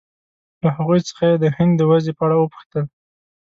له هغوی څخه یې د هند د وضعې په اړه وپوښتل.